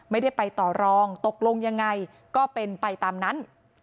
ไม่ได้ไปต่อรองตกลงยังไงก็เป็นไปตามนั้น